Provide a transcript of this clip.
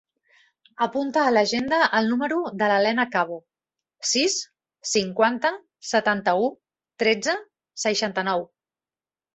Apunta a l'agenda el número de l'Elena Cabo: sis, cinquanta, setanta-u, tretze, seixanta-nou.